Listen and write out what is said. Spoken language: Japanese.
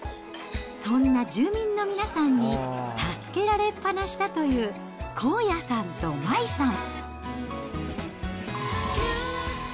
そんな住民の皆さんに助けられっ放しだという、こうやさんと麻衣さん。